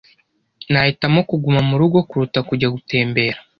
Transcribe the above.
Nahitamo kuguma murugo kuruta kujya gutembera.